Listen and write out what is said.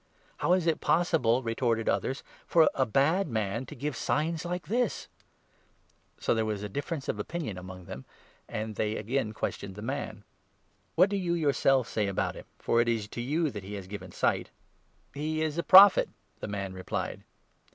" How is it possible," retorted others, " for a bad man to give signs like this ?" So there was a difference of opinion among them, and they 17 again questioned the man :" What do you yourself say about him, for it is to you that he has given sight ?" He is a Prophet," the man replied.